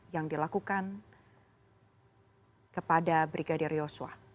yang dilakukan kepada brigadier joshua